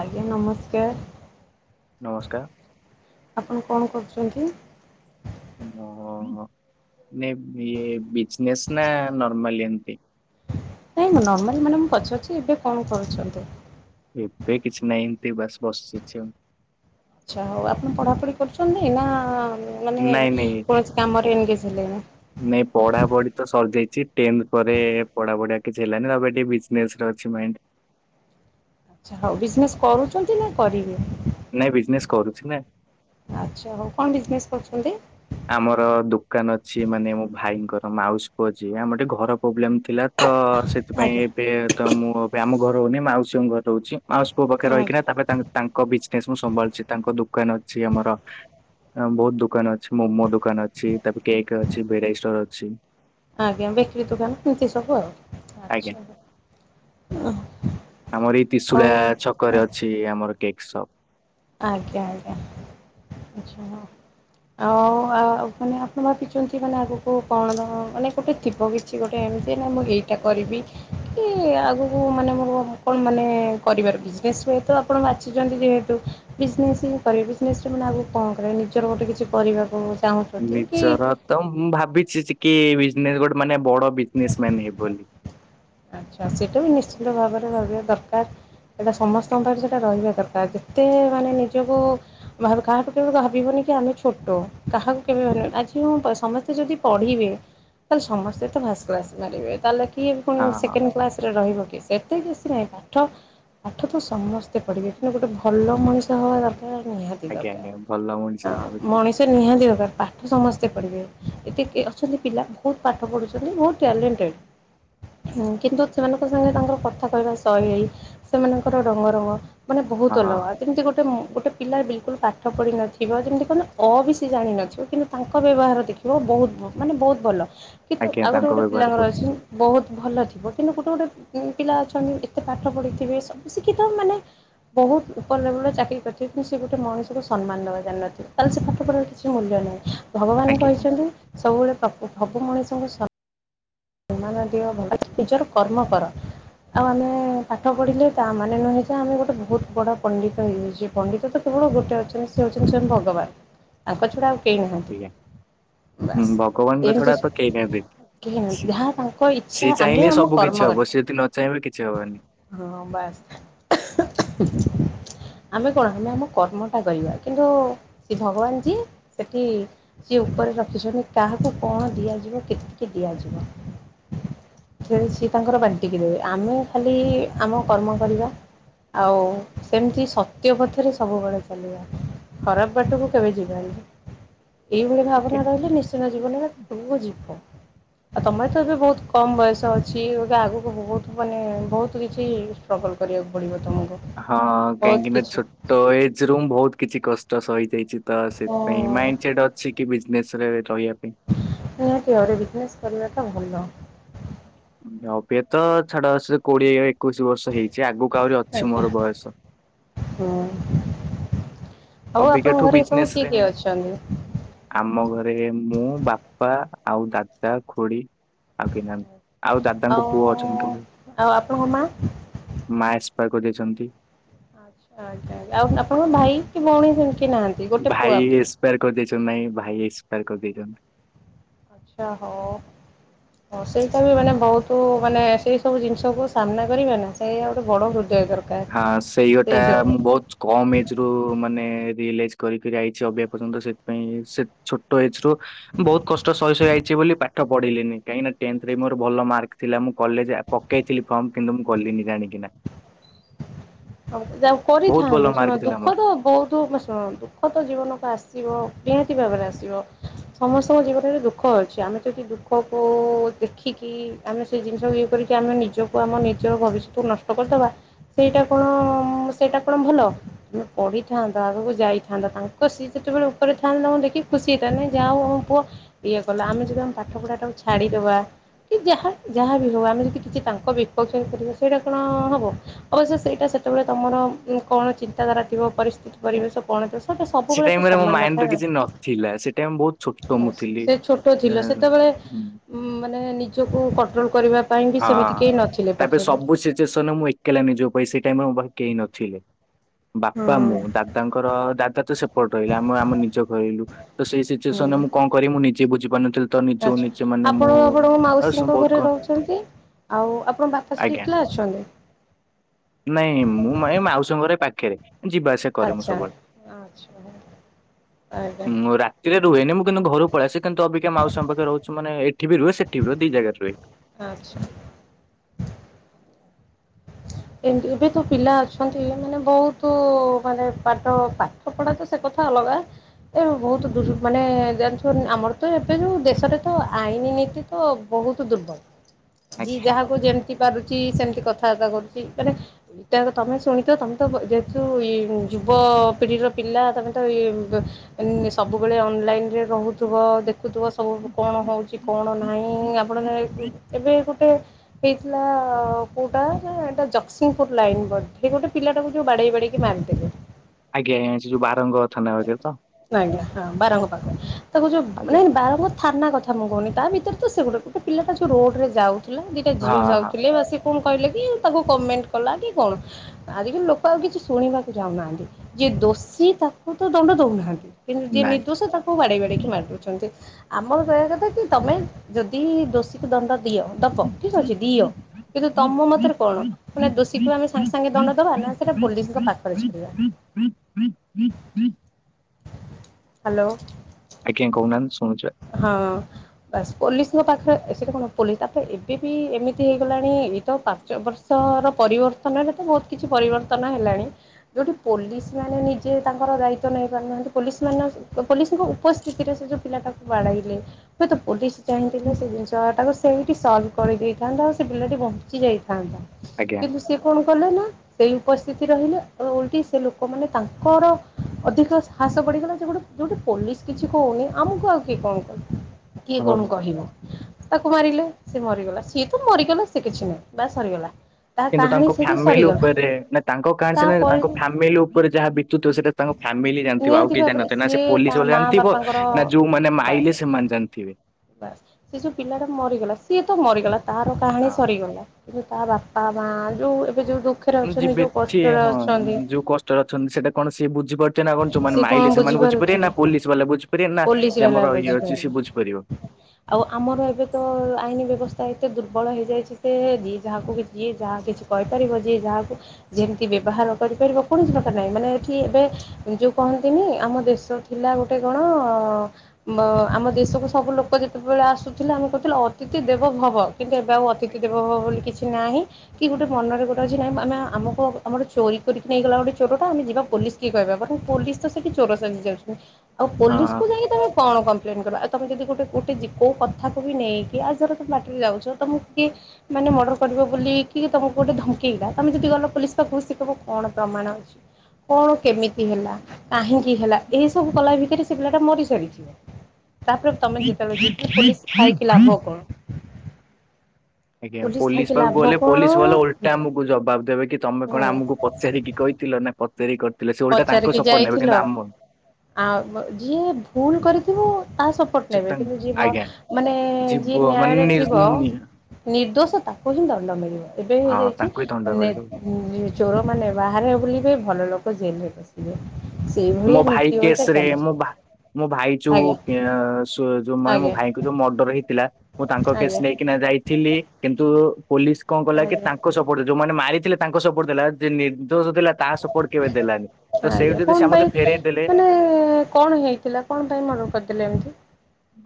ଆଜ୍ଞା ନମସ୍କାର। ନମସ୍କାର, ଆପଣ କଣ କରୁଛନ୍ତି? ଓହୋ ନେ ଇଏ ବିଜନେସ୍ ନା ନର୍ମାଲି ଏମତି। ନାଇଁ ମୁଁ ନର୍ମାଲି ମାନେ ମୁଁ ପଚାରୁଛି ଏବେ କଣ କରୁଛନ୍ତି? ଏବେ କିଛି ନାହିଁ ଏମତି ବାସ୍ ବସିଛି ଆଉ। ଆଚ୍ଛା ହଉ ଆପଣ ପଢ଼ାପଢ଼ି କରୁଛନ୍ତି ନା-ଆ-ଆ-ଆ ମାନେ ନାଇଁ ନାଇଁ କୌଣସି କାମରେ ଏନଗେଜ୍ ହେଲେଣି? ନାଇଁ ପଢା ପଢି ତ ସରିଯାଇଛି ଟେନ୍ଥ୍ ପରେ ପଢା ପଢି ଆ କିଛି ହେଲାନି ତ ଟିକେ ବିଜେନେସ୍ ରେ ଅଛି, ଟିକେ ମାଇଣ୍ଡ୍। ଆଛା ହଉ ବିଜନେସ କରୁଛନ୍ତି ନା କରିବେ? ନାଇଁ ବିଜନେସ କରୁଛି ନା। ଆଚ୍ଛା ହଉ କଣ ବିଜନେସ୍ କରୁଛନ୍ତି? ଆମର ଦୋକାନ ଅଛି ମାନେ ମୋ ଭାଇଙ୍କର ମାଉସି ପୁଅ ଯିଏ ଆମର ଟିକେ ଘର ପ୍ରୋବ୍ଲେମ ଥିଲା ତ-ଅ-ଅ-ଅ ସେ ସେଥିାଇଁ ଆଜ୍ଞା। ଏବେ ତ ମୁଁ ଏବେ ଆମ ଘର ରହୁନି ମାଉସୀଙ୍କ ଘରେ ରଉଛି। ମାଉସୀ ପୁଅ ପାଖରେ ରହିକିନା ଆଜ୍ଞା ତାପରେ ତା ତାଙ୍କ ବିଜନେସ୍ ମୁଁ ସମ୍ଭାଳୁଛି। ତାଙ୍କ ଦୋକାନ ଅଛି ଆମର ଅ ବହୁତ ଦୋକାନ ଅ ମୋମୋ ଦୋକାନ ଅଛି। ତାପରେ କେକ୍ ଅଛି, ଭେରାଇଟ୍ ଷ୍ଟୋର ଅଛି। ଆଜ୍ଞା ବେକରୀ ଦୋକାନ ଏମିତି ସବୁ ଆଉ ଆଜ୍ଞା। ଆଚ୍ଛା। ହଉ। ଆମର ଏଇ ଆଉ ତ୍ରିଶୁଳିଆ ଛକରେ ଅଛି ଆମର କେକ୍ ସପ୍। ଆଜ୍ଞା ଆଜ୍ଞା ଆଛା ହ। ଆଉ ଆ ମାନେ ଆପଣ ଭାବିଛନ୍ତି ମାନେ ଆଗକୁ କଣ [unintelligible] ମାନେ ଗୋଟେ ଥିବ [unintelligible] କିଛି ଗୋଟେ ଏମିତି ନା ମୁଁ ଏଇଟା କରିବି। କି ଆଗକୁ ମାନେ ମୋର କଣ ମାନେ କରିବାର ବିଜନେସ ହୁଏତ ଆପଣ ବାଛିଛନ୍ତି ଯେହେତୁ ବିଜନେସ୍ ହିଁ କରିବେ ବିଜନେସ ରେ ମାନେ ଆଗ କଣ କରିବେ ନିଜର ଗୋଟେ କିଛି କରିବାକୁ ଚାହୁଁଛନ୍ତି କି ନିଜର ତ ମୁଁ ଭାବିଛି କି ବିଜନେସ ଗୋଟେ ମାନେ ବଡ ବିଜନେସ ମ୍ୟାନ ହେବି ବୋଲି। ଆଚ୍ଛା ସେଇଟା ବି ନିଶ୍ଚିିତ ଭାବରେ ଭାବିବା ଦରକାର ସେଇଟା ହଁ ସମସ୍ତଙ୍କ ଠାରୁ ସେଟା ରହିବା ଦରକାର ଯେତେ ମାନେ ନିଜକୁ ଭାବେ କାହାଠୁ କେବେ ଭାବିବନି କି ଆମେ ଛୋଟ। କାହାକୁ କେବେ ଭାବିବନି। ଆଜି ମୁଁ ପ ସମସ୍ତେ ଯଦି ପଢ଼ିବେ? ତାହେଲେ ସମସ୍ତେ ତ ଫାଷ୍ଟ କ୍ଲାସ ମାରିବେ ତାହେଲେ କିଏ ପୁଣି ହଁ ସେକେଣ୍ଡ କ୍ଲାସ ରେ ରହିବ କି। ଏତେ ବେଶୀ ନାହିଁ ପାଠ ପାଠ ତ ସମସ୍ତେ ପଢ଼ିବେ କିନ୍ତୁ ଗୋଟେ ଭଲ ମଣିଷ ହେବା ଦରକାର ନିହା ତି ଆଜ୍ଞା ଆଜ୍ଞା ଭଲ ମଣିଷ ଦରକାର ହବା ଅ ଠିକ ମଣିଷ ନିହାତି ଦରକାର ପାଠ ସମସ୍ତେ ପଢ଼ିବେ। ଏତେକେ ଅଛନ୍ତି ପିଲା ବହୁତ ପାଠ ପଢ଼ୁଛନ୍ତି ବହୁତ ଟ୍ୟାଲେଣ୍ଟେଡ଼୍। ହୁଁ କିନ୍ତୁ ସେମାନଙ୍କ ସାଙ୍ଗେ ତାଙ୍କର କଥା କହିବା ଶୈଳୀ ସେମାନଙ୍କର ରଙ୍ଗରଙ୍ଗ ମାନେ ହଁ ବହୁତ ହଁ, ଅଲଗା। ସେମିତି ଗୋଟେ ମ ଗୋଟେ ପିଲା ବିଲକୁଲ ପାଠ ପଢ଼ିନଥିବ ଯେମିତି କଣ ଅ ବି ସିଏ ଜାଣିନଥିବ କିନ୍ତୁ ତାଙ୍କ ବ୍ୟବହାର ଟିକେ ବହୁ ବ ମାନେ ବହୁତ ଭଲ। କିନ୍ତୁ ଆଜ୍ଞା ଆଉ ଗୋଟେ ତାଙ୍କ ଗୋଟେ ବ୍ୟବହାର ପିଲାଙ୍କର ବହୁତ ଅଛି ଭଲ ବହୁତ ଭଲ ଥିବ କିନ୍ତୁ ଗୋଟେ ଗୋଟେ ଉମ୍ ପିଲା ଅଛନ୍ତି ଏତେ ପାଠ ପଢ଼ିଥିବେ ସବୁ ଶିକ୍ଷିିତ ମାନେ ବହୁତ ଉପର ଲେବୁଲ ରେ ଚାକିରି କରିଥିବ କିନ୍ତୁ ସେ ଗୋଟେ ମଣିଷକୁ ସମ୍ମାନ ଦବା ଜାରିନଥିଲା ତାହେଲେ ସେ ପାଠ ପଢ କିଛି ମୂଲ୍ୟ ନାହିଁ ଭଗବାନ ଆଜ୍ଞା କହିଛନ୍ତି ସବୁବେଳେ ସବୁ ମଣିଷ କୁ ସନ୍ମ୍ ସମ୍ମାନ ଦିଅ ଭଲ ନିଜର କର୍ମ କର। ଆଉ ଆମେ ପାଠ ପଢିଲେ ତାମାନୋନେ ନୁହେଁ ଯେ ଆମେ ଗୋଟେ ବହୁତ ବଡ଼ ପଣ୍ଡିତ ହେଇଯାଇଛେ ପଣ୍ଡିତ ତ ସବୁବେଳ ଗୋଟେ ଅଛନ୍ତି ସେ ହେଉଛନ୍ତି ଶୟମ ଭଗବାନ ତାଙ୍କ ଛଡ଼ା ଆଉ କେହି ନାହାନ୍ତି ଆଜ୍ଞା। ହୁଁ ବାସ୍ ଭଗବାନଙ୍କ ଏମିତି ଛଡା ତ କେହି ନାହାନ୍ତି। କେହି ନାହାନ୍ତି। ସିଏ ଯାହା ତାଙ୍କ ଇଚ୍ଛା ସିଏ ଆମେ ଚାହିଁଲେ ଆମ ସବୁ କିଛି କର୍ମ ହବ କରିବା। ସିଏ ଯଦି ନ ଚାହିଁବେ କିଛି ହବନି ହଁ ବାସ୍। ଆମେ କଣ ଆମେ ଆମ କର୍ମ ଟା କରିବା କିନ୍ତୁ ସେ ଭଗବାନ ଯୀ ସେଠି ସିଏ ଉପରେ ରଖିଛନ୍ତି କାହାକୁ କଣ ଦିଆଯିବ କେତିକି ଦିଆଯିବ। ସେ ସିଏ ତାଙ୍କର ବାଟି ଟିକେ ଦେବେ ଆମେ ଖାଲି ଆମ କର୍ମ କରିବା। ଆଉ ସେମିତି ସତ୍ୟ ପଥରେ ସବୁବେଳେ ଚାଲିବା। ଖରାପ ବାଟକୁ କେବେ ଯିବନି। ଏହିଭଳି ଆଜ୍ଞା। ଭାବନା ରହିଲେ ନିଶ୍ଚିୟ ଜୀବନରେ ସବୁକୁ ଯିବ। ଆଉ ତମେ ତ ଏବେ ବହୁତ କମ ବୟସ ଅଛିବେ ଆଗକୁ ବହୁତ ମାନେ ବହୁତ କିଛି ଷ୍ଟ୍ରଗଲ କରିବାକୁ ପଡ଼ିବ ତୁମକୁ। ହଁ କାହିଁକି ନା ଛୋଟ ଏଜ ରୁ ବହୁତ କିଛି କଷ୍ଟ ସହିଯାଇଛି ତ ଓ ସେଥିପାଇଁ ମାଇଣ୍ଡ ସେଟ ଅଛି କି ବିଜନେସରେ ରହିବା ପାଇଁ। ନିହାତି ଘରେ ବିଜନେସ୍ କରିବା ତ ଭଲ। ବ ତ ଛାଡାସ କୋଡିଏ ଏକୋଇଶି ବର୍ଷ ହେଇଛି ଆଗକୁ ଆହୁରି ଅଛି ଆଜ୍ଞା ମୋର ବୟସ। ହୁଁ ଆଉ ଆପଣଙ୍କ ଅବିକାଠୁ ଘରେ ବିଜନେସ ସବୁ କିଏ ରେ କିଏ ଅଛନ୍ତି? ଆମ ଘରେ ମୁଁ ବାପା ଆଉ ଦାଦା ଖୁଡି ଆଉ ପିନାହାନ୍ତିହ ଆଉ ଦାଦାଙ୍କ ପୁଅ ଅଛନ୍ତି କହିଲ ଆଉ ଆପଣଙ୍କ ମା? ମା ଏସ୍ପା କରିଜାଇଛନ୍ତି। ଆ୍ଛା ଆଜ୍ଞା ଆ୍ା ଆଉ ଆପଣଙ୍କ ଭାଇ କି ଭଉଣୀ ସେମିତି କିଏ ନାହାନ୍ତି। ଗୋଟେ ପୁଅ ଭାଇ ଆପଣ? ଏକ୍ସପାର କରିଯାଇଛନ୍ତି ନାଇଁ ଭାଇ ଏକ୍ସପାର କରିଯାଇଛନ୍ତି। ଆଚ୍ଛା ହଉ। ହଁ ସେଇଟା ବି ମାନେ ବହୁତ ମାନେ ସେଇ ସବୁ ଜିନିଷକୁ ସାମ୍ନା କରିବେ ନା ସେଇା ଗୋଟେ ବଡ ହୃଦୟ ଦରକାର। ହଁ ସେଇ ଗୋଟା ମୁଁ ବହୁତ କମ୍ ଏଜ ରୁ ମାନେ ରିଏଲାଇଜ୍ କରିକରି ଆଇଛି ଅଭ ପର୍ଯ୍ୟନ୍ତ ସେଥିପାଇଁ ସେ ଛୋଟ ଏଜରୁ ବହୁତ କଷ୍ଟ ସହି ସହି ଯାଇଛି ବୋଲି ପାଠ ପଢିଲିନି କାହିଁକି ନା ଟେନଥରେ ମୋର ଭଲ ମାର୍କ ଥିଲା ମୁଁ କଲେଜ ଦେଇଥିଲି ଫର୍ମ କିନ୍ତୁ ମୁଁ କଲିିନି ଜାଣିକିନା। ହଉ ଯହା ବହୁତ କରିଥାନ୍ତେ ଭଲ ଶୁଣ ମାର୍କ ଥିଲା ଦୁଃଖ ମୋର। ତ ବହୁତ ସୁ ଦୁଃଖ ତ ଜୀବନକୁ ଆସିବ ନିହାତି ଭାବରେ ଆସିବ। ସମସ୍ତଙ୍କ ଜୀବନରେ ଦୁଃଖ ଅଛି ଆମେ ଯଦି ଦୁଃଖକୁ ଦେଖିକି ଆମେ ସେ ଜିନିଷ ଇଏ କରିକି ଆମେ ନିଜକୁ ଆମ ନିଜ ଭବିଷ୍ୟତକୁ ନଷ୍ଟ କରିଦେବା ସେଇଟା କଣ ସେଇଟା କଣ ଭଲ? ପଢିଥାନ୍ତା ଆଗକୁ ଯାଇଥାନ୍ତା ତାଙ୍କ ସିଏ ଯେତେବେଳେ ଉପରେ ଥାଆନ୍ତା ଦେଖି ଖୁସି ହେଇଥାନ୍ ଯାହା ହଉ ପୁଅ ଇଏ କଲା ଆମେ ଯଦି ଆମେ ପାଠ ପଢା ଟାକୁ ଛାଡିଦବା କି ଯାହା ଯାହା ବି ହବ ଆମେ ଯଦି କିଛି ତାଙ୍କ ବିପକ୍ଷ ବି କରିବା ସେଇଟା କଣ ହବ ଅବଶ୍ୟ ସେ ଏଟା ସେତେବେଳେ ତମର କଣ ଚିନ୍ତାଧାରା ଥିବ ପରିସ୍ଥିତି ଆଜ୍ଞା ପରିବେଶ ସବୁ କଣଷଟ ସେ ସବୁବେଳେ ତ ଟାଇମ୍ ରେ ମୋ ସମାନ ମାଇଣ୍ଡ ରେ ନଥାଏ କିଛି ନଥିଲା ସେ ଟାଇମ୍ ବହୁତ ଛୋଟ ନା ମୁଁ ଥିଲି ସେ ଛୋଟ ଛଟ ଏଁ ଥିଲ ସେତେବେଳେ ମାନେ ନିଜକୁ କଣ୍ଟ୍ରୋଲ କରିବା ପାଇଁ ବି ସେମିତି ହଁ କେହି ନଥିଲେ ତାପରେ ପାଖରେ। ସବୁ ସିଚୁଏସନ ମୁଁ ଏକଲା ନିଜ ପାଇଁ ସେଇଟାଇ ମୋ ପାଖ କେହି ନଥିଲେ। ବାପା ମୁଁ ହୁଁ ଦାଦାଙ୍କର ଦାଦା ତ ସେପଟେ ରହିଲା ଆମେ ଆମ ନିଜ ଘରିଲୁ। ତ ସେଇ ସିଚୁଏସନରେ ମୁଁ କଣ କରି ମୁ ନିଜେ ବୁଛିପାରୁନି। ଆଛା ଆପଣ ଆପଣଙ୍କ ସ ମାଉସୀଙ୍କ ବହୁତ ଘରେ କଣ ରହୁଛନ୍ତି। ଆଉ ଆପଣ ବାପା ସେଠି ଆଜ୍ଞା ଅକଲା ଅଛନ୍ତି। ନାଇଁ ମୁଁ ମ ମାଉସୀଙ୍କର ପାଖରେ ଯିବାଆସିବା କରେ ମୁଁ ଆଚ୍ଛା ସବୁବେଳେ ଆଚ୍ଛା ଆଜ୍ଞା ମୁଁ ରାତି ରେ ରୁହନ ମୁଁ କିନ୍ତୁ ଘରୁ ପରେସ ଆସେ କିନ୍ତୁ ଅବିକା ମାଉସୀ ରହୁ ମାନେ ଏଠି ରହେ ସେଠି ରହେ ଦି ଜାଗାରେ ରୁହେ। [inaudible] [inaudible] ତ ସେ କଥା ଅଲଗା। ଏ ବହୁତୁ ମାନେ ଆମର ତ ଏବେ ଯଉ ଦେଶରେ ତ ଆଇନ ନୀତି ତ ବହୁତୁ ଦୁର୍ବଳ। ଯିଏ ଆଜ୍ଞା। ଯାହାକୁ ଯେମ୍ତି ପାରୁଚି, ସେମିତି କଥାବାର୍ତ୍ତା କରୁ [inaudible] [inaudible] ସବୁବେଳେ ଅନ୍‌ଲାଇନ୍‌ ରେ ରହୁଥୁବ ଦେଖୁଥୁବ ସବୁ କ'ଣ ହଉଚି କ'ଣ ନାହିଁ। ଏବେ ଟେ ହେଇଥିଲା। କଉଟା ନା ଜକ୍ସିଂପୁର୍ ଲାଇନ୍‌ ବଧେ, ଗୋଟେ ପିଲାଟାକୁ ଯଉ ବାଡ଼େଇ ବାଡ଼େଇକି ମାର୍ ଦେଲେ। ଆଜ୍ଞା, ସେ ଯଉ ବାରଙ୍ଗ ଥାନା ଆ ତ। ଆଜ୍ଞା ହଁ! ବାର ପାଖ ତାକୁ ଯଉ ମାନେ ଆଜ୍ଞା ବାରଙ୍ଗ ଥାନା କ ମୁଁ କଉନି, ତା' ଭିତରେ ତ ସେ ଗୋ----ପିଲାଟା ଯ ରୋଡ଼ରେ ଯାଉଥିଲା। ଦିଇଟା ଝିଅ ହଁ ହଁ ଯାଉଥିଲେ ବା ସେ କହିଲା କି ତାକୁ କମେଣ୍ଟେ କଲା। କି ଆଜିକାଲି ଲୋକ ଆଉ କିଛି ଶୁଣିବାକୁ ଉନାହାନ୍ତି, ଯିଏ ଦୋଷୀ ତାକୁ ତ ଦଣ୍ଡ ଦଉନାହାନ୍ତି। କିନ୍ତୁ ଯିଏ ନାଇଁ। ନିର୍ଦ୍ଦୋଷ, ତାକୁ ବାଡ଼େଇ ବାଡ଼େଇକି ମାର୍ ଦଉଚନ୍ତି। ଆମର କହିବା କଥା କି ତମେ ଯଦି ଦୋଷୀକୁ ଦଣ୍ଡ ଦିଅ, ଦବ ଠିକ୍ ଅଛି ଦିଅ। କିନ୍ତୁ ତମ ମତରେ କ'ଣ? ଦୋଷୀକୁ ଆମେ ସାଙ୍ଗ୍ ସାଙ୍ଗେ ଦଣ୍ଡ ଦବା ନା ସେଇଟା ପୋଲିସଙ୍କ ପାଖରେ ଛାଡ଼ିବା। ଆଜ୍ଞା ହାଲୋ। ଆଜ୍ଞା, କହୁ ନାହାନ୍ତି ଶୁ ହଁ! ବାସ୍, ପୋଲିସ୍‌ଙ୍କ ପାଖରେ ସେଟା କ'ଣ ତା'ପରେ ଏବେ ବି ଏମିତି ହେଇଗଲାଣି। ଏଇତ ପାଞ୍ଚ ବର୍ ପରିବର୍ତ୍ତନରେ ତ ବହୁତ୍ କିଛି ପରିବର୍ତ୍ତନ ହେଲାଣି। ଯଉଠି ପୋଲିସ୍‌ ମାନେ ନିଜେ ତାଙ୍କର ଦାୟିତ୍ୱ ନେଇ ପୋଲିସ୍‌ ଙ୍କ ଉପସ୍ଥିତିରେ ସେ ଯଉ ପିଲା ଟାକୁ ବାଡ଼ାଇଲେ। ହୁଏତ ପୋଲିସ ଚାହିଁଥିଲେ। ସେ ଜିନ୍‌ଷ ଟାକୁ ସେଇଠି ସଲ୍ କରିଦେଇଥାନ୍ତା, ଆଉ ସେ ପିଲାଟି ବଞ୍ଚି ଯାଇଥାନ୍ତା। ଆଜ୍ଞା [inaudible] ସେଇ ଉପସ୍ଥିତି ରହିଲେ ଓଲ୍ଟି ସେ ଲୋକମାନେ ତାଙ୍କର ଅଧିକ ବଡ଼ିଗଲା, ଯେ ଗୋଟେ ପୋଲିସ୍‌ କିଛି କହୁନି। ଆମକୁ ଆଉ କିଏ କ'ଣ କ କିଏ କ'ଣ ଓହୋ କହିବ। ତା'କୁ ମାରିଲେ। ସେ ମରିଗଲା ସିଏ ତ ମରିଗଲା ସେ କିଛି ନାହିଁ ବା ସରିଗଲା। ତା କିନ୍ତୁ, କାହାଣୀ ତାଙ୍କ ସେଠି ଫ୍ୟାମିଲି ସରିଗଲା ଉପେରେ ନା ତାଙ୍କ ତାପରେ ତାଙ୍କ ଫ୍ୟାମିଲି ଉପରେ ଯାହା ବିତୁଥିବ। ସେ--ଟା ତାଙ୍କ ଫ୍ୟାମିଲି ଜାଣ୍ ଥିବ, ଆଉ ନିହାତି କେହି ଭାବରେ ଜାଣିନଥିବେ। ନା ସିଏ ସେ ତା ପୋଲିସ୍‌ ବାଲା ମା ଜାଣ୍ ଥିବ ବାପାଙ୍କର ନା, ଯଉମାନେ ମାଇଲେ ସେମାନେ ଜାଣ୍ ଥିବେ। ବାସ୍‌, ସେ ଯଉ ପିଲା ଟା ମରିଗଲା, ସିଏ ତ ମରିଗଲା ତା'ର କାହାଣୀ ହଁ ସରିଗଲା। କିନ୍ତୁ ତା ବାପା-ମା ଯଉ ଏବେ ଯଉ ଦୁଃଖରେ ଅଛନ୍ତି, ଯିବେ ଯଉ ସିଏ କଷ୍ଟରେ ହଁ ଅଛନ୍ତି। ଯୋଉ କଷ୍ଟରେ ଅଛନ୍ତି, ସେଇଟା କ'ଣ ସିଏ ଯଉମାନେ ସିଏ କଣ ମାଇଲେ, ସେମାନେ ବୁଝିପାରିବେ ନା, ବୁଝିପାରୁଥିବେ ପୋଲିସ୍‌ ବା ଲା ବୁଝିପାରିବେ, ନା ପୋଲିସ ବାଲା ଆମର ଇଏ ଅଛିି ବୁଝିପାରିବେ। ବୁଝିପାରିବ? ଆଉ ଆମର ଏବେ ତ ଆଇନ ବେବସ୍ଥା, ଏତେ ଦୁର୍ବଳ ହେଇଯାଇଚି ଯେ। ଯିଏ ଯାହା ଯିଏ ଯାହା କିଛି କହିପାରିବ, ଯିଏ ଯାହାକୁ ଯେମ୍ତି ବ୍ୟବହାର କରିପାରିବ, କୌଣସି ପ୍ରକାର ନାହିଁ। ମାନେ ଏଠି ଯଉ କହନ୍ତିନି, ଆମ ଦେଶ ଥିଲା ଗୋଟେ ଆମ ଦେଶକୁ ସବୁ ଲୋକ ଯେତବଳେ ଆସୁଥିଲେ, ଆମେ କହୁଥିଲେ ଅତିଥି ଦେବ ଭବ। କିନ୍ତୁ, ଏବେ ଆଉ ଅତିଥି ଆଜ୍ଞା ଦେବ ଭବ ବୋଲି କିଛି ନାହିଁ। କି ଗୋଟେ ନା ମନରେ ଗୋ ଆମ ଆମର ଚୋରି କରିକି ନେଇଗଲା, ଗୋଟେ ଚୋର ଟା ଆମେ ଯିବା ପୋଲିସ କି କହିବା। [inaudible] ହଁ। [inaudible] ମାନେ ମର୍ଡର କରିବ, ବୋଲିକି ତମକୁ ଗୋଟେ ଧମ୍କେଇଲା, ତମେ ଯଦି ଗଲ ପୋଲିସ୍‌ ପାଖ, ସେ କହିବ କ'ଣ ପ୍ରମାଣ ଅଛି। କ'ଣ କେମିତି ହେଲା? କାହିଁକି ହେଲା, ଏଇ ସବୁ କଲା ଭିତରେ। ସେ ପିଲା ଟା ମରି ସାରି ତାପରେ ତମେ ଯେତେବେଳେ ଯିବ ପୋଲିସ ଥାଇକି ଲାଭ କଣ? ଆଜ୍ଞା ପୋଲିସ ଥାଇକି ଲାଭ ପାଖକୁ ଗଲେ କଣ? ପୋଲିସ ଭଲେ ଓଲଟା ଆମକୁ ଜବାବ ଦେବେ କି ତମେ ହୁଁ କଣ ଆମକୁ ସେଠିକି କହିଥିଲ ନା କତୀ କରିଥିଲେ ସେଭଳିଟା ତାଙ୍କ ପଚାରିକି ସପୋଟ ନେବେ କିନ୍ତୁ ଯାଇଥିଲ ଆମ ଆ ଯିଏ ଭୁଲ କରିଥିବୁ ତା ସ ଟ ସେ ନେବେ କିନ୍ତୁ ତାଙ୍କ- ଯିଏ ଆଜ୍ଞା ମାନେ ଯିବ ଯିଏ ମାନେ ନ୍ୟାୟରେ ନି- ଥିବ ନି- ନିର୍ଦ୍ଦୋଷ ତାକୁ ହିଁ ଦଣ୍ଡ ମିଳିବ ଏବେ ହଁ ତାଙ୍କୁ ହିଁ ଦଣ୍ଡ ମିଳିବ। ହେଇଯାଇଛି ଚୋରମାନେ ବାହାରେ ବୁଲିବେ ଭଲ ଲୋକ ଜେଲରେ ପସିବେ। ସେଇଭଳିଆ ମୋ ଭାଇ ନୀତି ବହିକା କେଶରେ ମୋ ଚାଲୁଛି ମୋ ଭାଇ ଯୋଉ ଆଜ୍ଞା ଯୋଉ ମାନେ ମୋ ଆଜ୍ଞା ଭାଇଙ୍କୁ ଯୋଉ ମର୍ଡର ହେଇଥିଲା ମୁଁ ତାଙ୍କ କେସ୍ ଆଜ୍ଞା ନେଇକିନା ଯାଇଥିଲି କିନ୍ତୁ ପୋଲିସ କଣ କଲା କି ଆଜ୍ଞା ତାଙ୍କ ସ ଯୋଉମାନେ ମାରିଥିଲେ ତାଙ୍କ ସପୋର୍ଟ ଥିଲା ଯେ ନିର୍ଦୋଷ ଥିଲା ତା ସପୋର୍ଟ କେବେ ଦେଲାନି ତ ସେଇଠୁ ଯଦି ସେ ଫେରେଇ ଦେଲେ ମ କଣ ହେଇଥିଲା କଣ ପାଇଁ ମଡର କରିଦେଲେ ଏମିତି?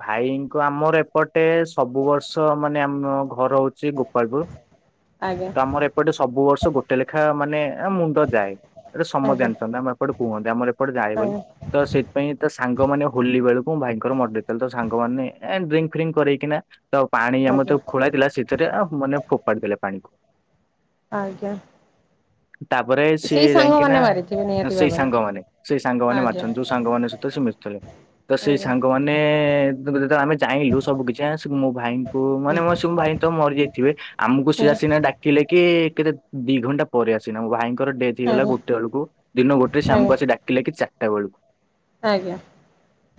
ଭାଇଙ୍କ ଆମର ଏପଟେ ସବୁ ବର୍ଷ ମାନେ ଆମ ଘର ହଉ ଶ୍ରୀ ଗୋପଳପୁର। ଆଜ୍ଞା ତ ଆମର ଏପଟେ ସବୁ ବର୍ଷ ଗୋଟେ ଲେଖା ମାନେ ମୁଣ୍ଡ ଯାଏ ଏଟ ସମ ଆଜ୍ଞା ଜାଣିଛନ୍ତି ଆମ ଏପଟେ କୁହନ୍ତି ଆମର ଏପଟ ଯାଏ ବୋଲି ଆଜ୍ଞା ତ ସେଥିପାଇଁ ତ ସାଙ୍ଗମାନେ ହୋଲି ବେଳକୁ ମୁଁ ଭାଇଙ୍କର ମ ଲେ ତ ସାଙ୍ଗମାନେ ଏ ଡ୍ରିଙ୍କ ଫ୍ରିଙ୍କ କରକି ତ ପାଣି ଆମର ଆଜ୍ଞା ତ ଖୋଳା ହେଇ ଥିଲା ଭିତରେ ମାନେ ଫୋପାଡି ଦେଲେ ପାଣିକୁ। ଆଜ୍ଞା। ତାପରେ ସେଇ ସିଏ ଯାଇକି ନା ସାଙ୍ଗମାନେ ମାରିଥିବେ ନିହାତି ସେଇ ଭାବରେ ସାଙ୍ଗମାନୋନ ସେଇ ସାଙ୍ଗମାନେ ଆଜ୍ଞା ମାରିଛନ୍ତି ଯୋଉ ସାଙ୍ଗ ମାନଙ୍କ ସହିତ ସେ ମିଶୁଥିଲେ ତ ସେଇ ଆଜ୍ଞା ସାଙ୍ଗମାନେ ଆମେ ଚାହିଁଲୁ ସବୁ କିଛି ମୋ ଭାଇଙ୍କୁ ମାନେ ଭାଇ ତ ମରିଯାଇଥିବେ ଆମକୁ ସିନା ସିନା ଥିଲେ କି କେତେ ଦି ଘଣ୍ଟା ପରେ ଆସିନା ମୋ ଭାଇଙ୍କର ଡେଥ ଗଲା ହୁଁ ଗୋଟେ ବେଳକୁ ଦିନ ଗୋଟେ ଆଜ୍ଞା ସାମକୁ ଆସି ଡାକିଲେ କି ଚାରିଟା ବେଳକୁ। ଆଜ୍ଞା।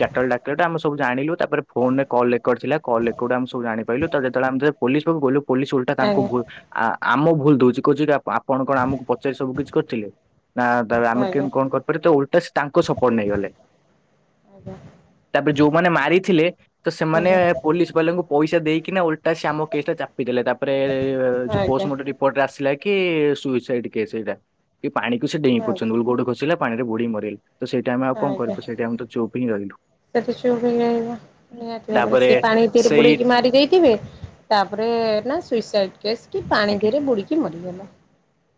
ଚାରିଟା ବେଳେ ଟା ଆେ ସବୁ ଜାିଲୁ ତାପରେ ଫୋନରେ କଲ ରେକର୍ ଥିଲା କଲ୍ରେର୍ଡ ଆମେ ସୁ ଜାଣି ପାଇଲୁ ତତେଳେ ଆମେ ପୋଲିସକୁ ଗଲୁ। ପୋଲିସ ଓଲଟା ଆଜ୍ଞା ତାଙ୍କୁ ଭ ଆମ ଭୁଲ ଦଉଛି କହୁଛି କି ଆପଣ କଣ ଆମକୁ ପଚାରି ସବୁ କିଛି କରିଥିଲେ? ନା ତା ଆଜ୍ଞା ଆମେ ଆଜ୍ଞା କେମିତି କଣ କରିପାର ତ ଓଲଟା ସେ ତାଙ୍କ ସପୋର୍ଟ ନେଇଗଲେ। ଆଜ୍ଞା। ତାପରେ ଯୋଉମାନେ ମାରିଥିଲେ ତ ସେମାନେ ଆଜ୍ଞା ପୋଲିସ ବାଲାଙ୍କୁ ପଇସା ଦେଇକିନା ଓଲଟା ସେ ଆମ କେସ୍ ଟା ଚାପି ଦେଲେ ତାପରେ ଯୋଉ ଆଜ୍ଞା ଆଜ୍ଞା ପୋମଟ ଏପଟରେ ଆସିଲା କି ସୁଇସାଇଡ କି ସେଇଟା କି ପାଣିକୁ ସେ ଡେଇଁ ପଡଛନ୍ତି ଆଜ୍ଞା ବୋଲି ଗୋଟେ ଖସିଲା। ପାଣିରେୁଡି ମରିଲ ତ ସେଇା ଆମେ ଆଉ କଣ ଆଜ୍ଞା କରିବୁ ସେଇଟ ଆମ ତ ଚୋପ ହିଁ ରହିଲୁ। ସେଠି ସୁୁପ୍ ହେଇଯାଇିବ ନିହାତି ବେଳେ ତାପରେ ସେ ପାଣିରେ ସେଇ ବୁଡେଇକି ମାରି ଦେଇ ଥିବେ ତାପରେ ନା ସୁଇସାଇଡ଼ କେସ୍ କି ପାଣି ଦେହରେ ବୁଡ଼ିକି ମରିଗଲା।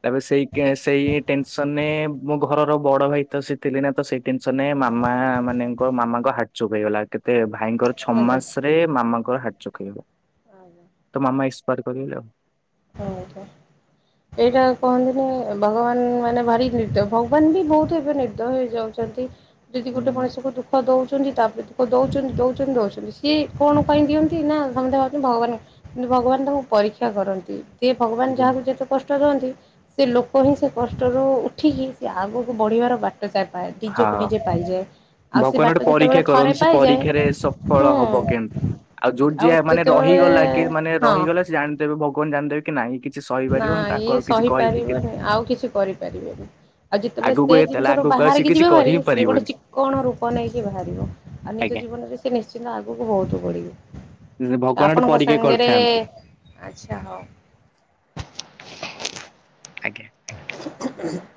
ତା ସେଇ ସେଇ ଟେନସନରେ ମୁଁ ଘରର ବଡ ଭାଇ ତ ସେଥିଲି ନା ତ ସେଇ ଟେନସନ ମାମା ମାନେଙ୍କ ମାମାଙ୍କ ହାଟ ଚୁପ୍ ହେଇଗଲା କେତେ ଭାଇଙ୍କର ଛଅ ଆଜ୍ଞା ମାସ ରେ ମାମାଙ୍କର ହାଟରେ ହାଟ ଛୋଟ ହେଇଗଲା। ଆଜ୍ଞା। ତ ମାମା ଏକ୍ସପାର କରିଗଲେ ଆଉ। ହଉ। ଏଇଟା କହନ୍ତିନି ଭଗବାନ ମାନେ ଭାରି ନିର୍ଦ ଭଗବାନ ବି ବହୁତ ଏବେ ନିର୍ଦୟ ହେଇଯାଉ ଯଦି ଗୋଟେ ହଁ ମଣିଷକୁ ଦୁଃଖ ଦଉଛି। ଛନ୍ତି ତାପରେ ଦେଉଛନ୍ତି ଦେଉଛନ୍ତି ଦେଉଛନ୍ତି ସିଏ କଣ ପାଇଁ ଦିଅନ୍ତି ନା ସମସ୍ତେ ଭାବୁଛନ୍ତି ଭଗବାନ କିନ୍ତୁ ଭଗବାନ ତାଙ୍କୁ ପରୀକ୍ଷା କରନ୍ତି ଯେି ଭଗବାନ ଆଜ୍ଞା। ଯାହାକୁ ଯେତେ କଷ୍ଟ ଦିଅନ୍ତି। ସେ ଲୋକ ହିଁ ସେ କଷ୍ଟରୁ ଉଠିକି ସେ ଆଗକୁ ବଢିବାର ବାଟ। ପ୍ରାର ପା ଯ ହଁ କଣ ଯେ ପାଇଯାଏ। ଆଉ ସେ ଭଗବାନ ବାଟ ଗୋଟେ ଯେତେବେଳେ ପରୀକ୍ଷା ଥରେ କରନ୍ତି। ସେ ପାଇଯାଏ ପରୀକ୍ଷାରେ ସଫଳ ହୁଁ ହବ କେମିତି? ଆଉ ଯୋଉଠି ଯିଏ ମାନେ ରହିଗଲା କିଏ ମାନେ ହଁ ରହିଗଲା। ସେ ଜାଣିଦେବେ ଭଗବାନ ଜାଣିଦେବେ। କି ନାଇଁ କିଛି ନା ସହିପାରିବନି ତାକୁ ଇଏ ଆଉ କିଛି କହିକି କି- ସହିପାରିବନି ଆଉ କିଛି କରିପାରିବେନି। ଆଉ ଯେତେବେଳେ ଆଗକୁ ସେ ଏ ତାହେଲେ ଜିନିଷ ରୁ ଆଗକୁ ଆଉ ସେ ବାହାରିକି କିଛି ଯିବେ କରି ଭାରି। ହିଁ ସିଏ ଗୋଟେ ପାରିବନି ଚିକଣ ରୂପ ନେଇକି ବାହାରିବ। ଆଉ ନିଜ ଆଜ୍ଞା। ଜୀବନରେ ସେ ନିଶ୍ଚିନ୍ତ ଆଗକୁ ବହୁତ ବଢିବେ। ଆଛା ଭଗବାନ ଗୋଟେ ଆପଣଙ୍କ ପରୀକ୍ଷା ସାଙ୍ଗରେ କରିଥାନ୍ତି ଆଛା ହଉ। ଆଜ୍ଞା। ହୁଁ ହୁଁ।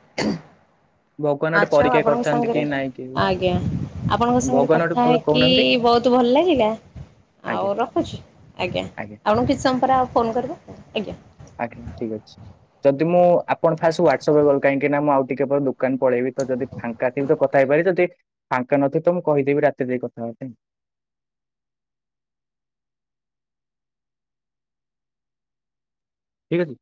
ଭଗବାନ ଗୋଟେ ଆଛା ଆଉ ପରୀକ୍ଷା ଆପଣଙ୍କ କରିଥାନ୍ତି ସାଙ୍ଗରେ କି ନାଇଁ କି ଆଜ୍ଞା। ଆପଣଙ୍କ ସାଙ୍ଗରେ ଭଗବାନ ଗୋଟେ କଥା ପ- ହେଇକି କହୁନାହାନ୍ତି ବହୁତ ଭଲ ଲାଗିଲା। ଆଉ ଆଜ୍ଞା ରଖୁଛି ଆଜ୍ଞା ଏଣୁ କିଛି ସମୟ ପରେ ଆଉ ଫୋନ୍ କରିବେ ଆଜ୍ଞା। ଆଜ୍ଞା ଠିକ୍ ଅଛି। ଯଦି ମୁଁ ଆପଣ ଫାଷ୍ଟ ହ୍ୱାଟ୍ସପ ଗଲ କାହିଁକି ନା। ମୁଁ ଆଉ ଟିକେ ପରେ ଦୋକାନ ପଳେଇବି ତ ଯଦି ଫାଙ୍କା ଥିବି ତ କଥା ହେଇପାରିବି। ଯଦି ଫାଙ୍କା ନଥିବି ତ ମୁଁ କହିଦେବି ରାତିରେ ଯାଇକି କଥା ହେବା ପାଇଁ। ଠିକ୍ ଅଛି।